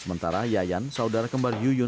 sementara yayan saudara kembali ke rumah yuyun